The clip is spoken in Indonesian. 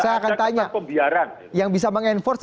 saya akan tanya yang bisa mengenforce